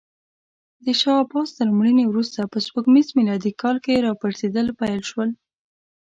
د شاه عباس تر مړینې وروسته په سپوږمیز میلادي کال کې راپرزېدل پیل شول.